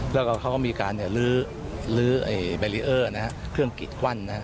แล้วก็เขาก็มีการลื้อแบรีเออร์เครื่องกิดกวั้น